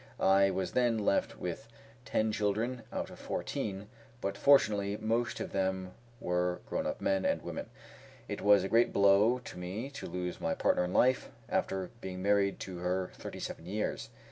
I was then left with ten children out of fourteen, but fortunately most of them were grown up men and women. It was a great blow to me to lose my partner in life, after being married to her thirty seven years.